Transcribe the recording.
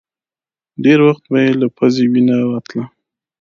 ډېر وخت به يې له پزې وينه راتله.